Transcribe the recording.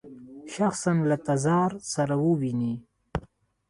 شخصاً له تزار سره وویني.